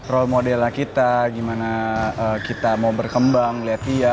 role modelnya kita gimana kita mau berkembang liat dia